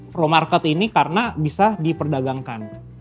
pro market ini karena bisa diperdagangkan